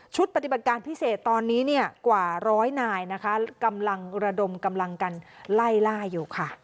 ปฏิบัติการพิเศษตอนนี้เนี่ยกว่าร้อยนายนะคะกำลังระดมกำลังกันไล่ล่าอยู่ค่ะ